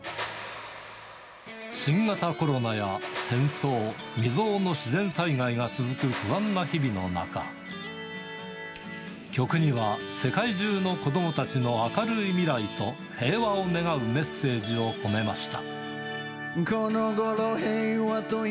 新型コロナや戦争、未曽有の自然災害が続く不安な日々の中、曲には世界中の子どもたちの明るい未来と平和を願うメッセージを込めました。